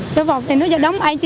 đi bao giờ xấu trời